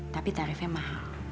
tapi tarifnya mahal